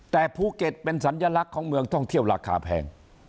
แต่ภูเก็ตเป็นสัญลักษณ์ของเมืองท่องเที่ยวราคาแพง